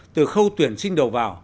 từ khâu tuyển sinh đầu vào